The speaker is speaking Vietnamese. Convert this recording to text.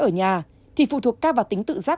ở nhà thì phụ thuộc cao vào tính tự giác